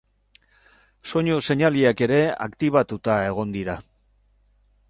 Soinu seinaleak ere aktibatuta egon dira.